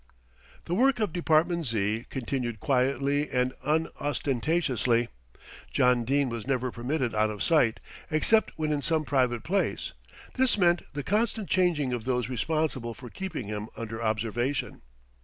The work of Department Z. continued quietly and unostentatiously. John Dene was never permitted out of sight, except when in some private place. This meant the constant changing of those responsible for keeping him under observation.